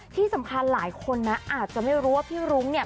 ที่สำคัญหลายคนนะอาจจะไม่รู้ว่าพี่รุ้งเนี่ย